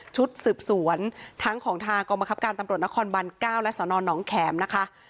ชุดสืบสวนทั้งของทางกรมคับการตำรวจนครบัน๙และสนหนองแขมนะคะ